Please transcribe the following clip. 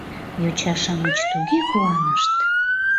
Йоча-шамыч туге куанышт...